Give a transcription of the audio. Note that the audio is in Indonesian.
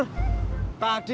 tadi gue lewat kontraknya cik